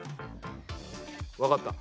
わかった。